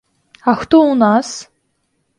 А хто ў нас?